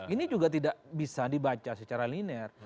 ini juga tidak bisa dibaca secara linear